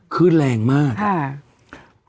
คือแรงมาก